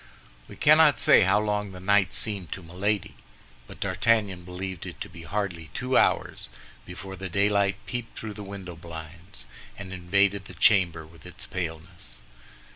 We cannot say how long the night seemed to Milady, but D'Artagnan believed it to be hardly two hours before the daylight peeped through the window blinds, and invaded the chamber with its paleness.